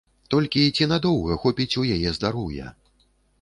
Толькі ці надоўга хопіць у яе здароўя?